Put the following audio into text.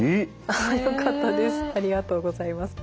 あっよかったです。